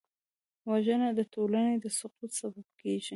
وژنه د ټولنې د سقوط سبب کېږي